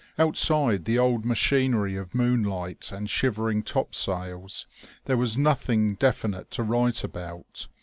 Outside the old machinery of moonlight and shivering topsails, there was nothing definite to write about.